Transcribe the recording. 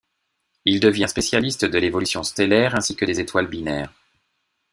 Il devient spécialiste de l'évolution stellaire ainsi que des étoiles binaires.